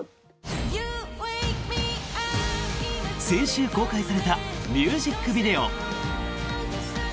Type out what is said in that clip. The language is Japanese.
先週公開されたミュージックビデオ。